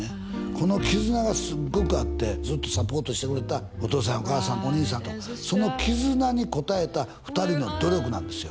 この絆がすごくあってずっとサポートしてくれたお父さんやお母さんお兄さんとその絆に応えた２人の努力なんですよ